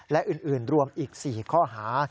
และอื่นรวมอีก๔ข้อหา